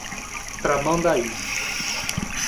Tramandaí